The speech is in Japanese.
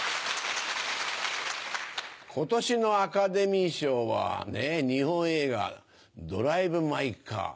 今年のアカデミー賞は日本映画『ドライブ・マイ・カー』。